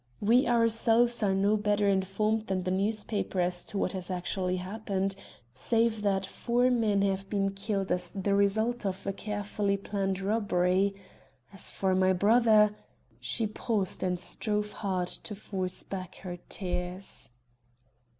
"We ourselves are no better informed than the newspapers as to what has actually happened, save that four men have been killed as the result of a carefully planned robbery. As for my brother " She paused and strove hard to force back her tears.